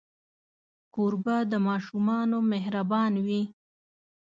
کوربه د ماشومانو مهربان وي.